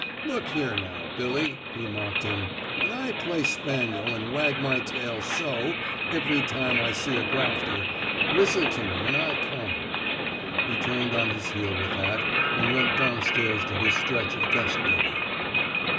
Look here, now, Billy," he mocked him, when I play spaniel, an' wag my tail so, ev'ry time I see a grafter, whistle to me an' I'll come." He turned on his heel with that, and went down stairs to his stretch of desk duty.